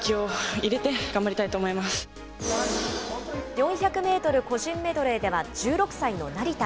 ４００メートル個人メドレーでは１６歳の成田。